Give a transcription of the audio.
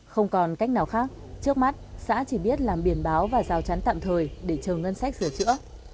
không còn cách nào khác trước mắt xã chỉ biết làm biển báo và rào chắn tạm thời để chờ ngân sách sửa chữa